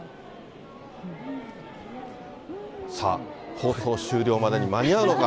さあ、放送終了までに間に合うのか。